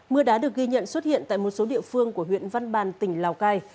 mưa đá được ghi nhận xuất hiện tại một số địa phương của huyện văn bàn tỉnh lào cai